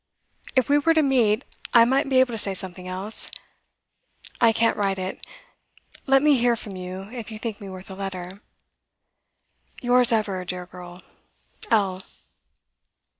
If we were to meet, I might be able to say something else. I can't write it. Let me hear from you, if you think me worth a letter. Yours ever, dear girl, L.